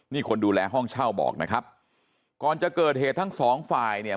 นี่คนดูแลห้องเช่าบอกนะครับก่อนจะเกิดเหตุทั้งสองฝ่ายเนี่ย